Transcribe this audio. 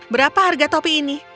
berapa harga topi ini